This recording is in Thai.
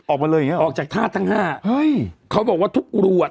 ออกมาเลยอย่างเงี้ออกจากธาตุทั้งห้าเฮ้ยเขาบอกว่าทุกรวด